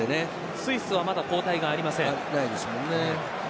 スイスはまだ交代がありません。